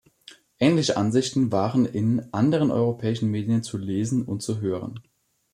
Ähnliche Ansichten waren in anderen europäischen Medien zu lesen und zu hören.